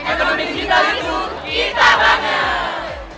ekonomi digital itu kita bangun